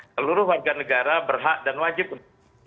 seluruh warga negara berhak dan wajib untuk